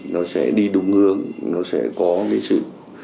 nó sẽ đi đúng hướng nó sẽ có cái sự